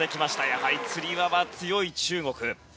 やはり、つり輪は強い中国。